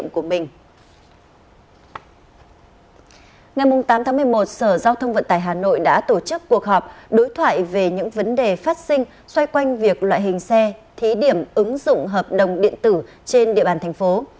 ngày tám tháng một mươi một sở giao thông vận tải hà nội đã tổ chức cuộc họp đối thoại về những vấn đề phát sinh xoay quanh việc loại hình xe thí điểm ứng dụng hợp đồng điện tử trên địa bàn thành phố